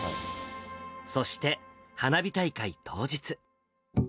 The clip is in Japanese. そして、花火大会当日。